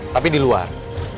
tapi di luar